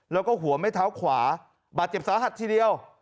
แล้วก็หัวไม่เท้าขวาบาดเจ็บสาหัสทีเดียว